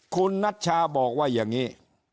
คุณนัชชาบอกว่าอย่างนี้